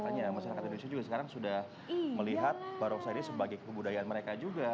makanya masyarakat indonesia juga sekarang sudah melihat barongsai ini sebagai kebudayaan mereka juga